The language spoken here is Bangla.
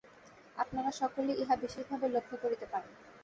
আপনারা সকলেই ইহা বিশেষভাবে লক্ষ্য করিতে পারেন।